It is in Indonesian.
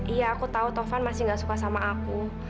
iya aku tahu tovan masih gak suka sama aku